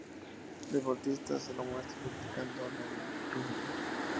Deportista, se lo muestra practicando remo, rugby.